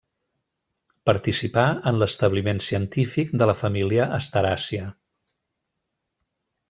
Participà en l'establiment científic de la família asteràcia.